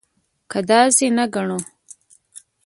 که داسې نه ګڼو.